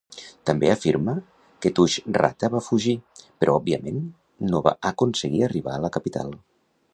També afirma que Tushratta va fugir, però òbviament no va aconseguir arribar a la capital.